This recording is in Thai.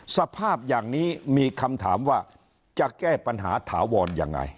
สภาพอย่างนี้มีคำถามว่าจะแก้ปัญหาถาวรยังไง